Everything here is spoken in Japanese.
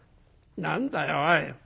何だよおい！